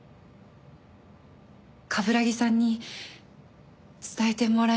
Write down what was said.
冠城さんに伝えてもらえますか？